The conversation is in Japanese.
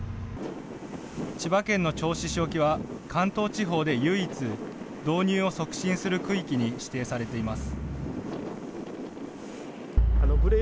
千葉県の銚子市沖は関東地方で唯一、導入を促進する区域に指定されています。